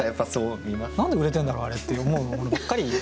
何で売れてんだろうあれって思うものばっかり。